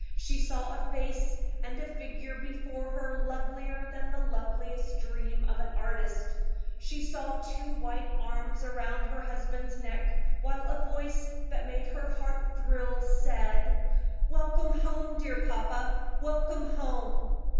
She saw a face and a figure before her lovelier than the loveliest dream of an artist. She saw two white arms around her husband's neck, while a voice that made her heart thrill said: "Welcome home, dear papa welcome home!"